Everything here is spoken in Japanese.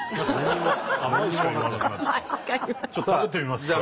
ちょっと食べてみますか！